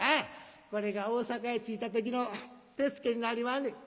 これが大坂へ着いた時の手付けになりまんねん。